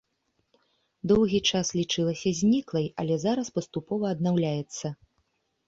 Доўгі час лічылася зніклай, але зараз паступова аднаўляецца.